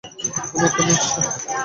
আমি এক্ষুনি আসছি।